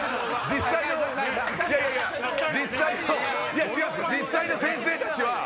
実際の先生たちは。